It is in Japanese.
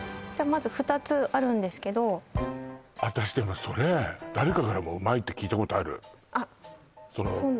まず２つあるんですけど私でもそれ誰かからもうまいって聞いたことあるあっそうなんですか？